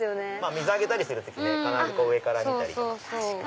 水あげたりする時ね必ず上から見たりとか。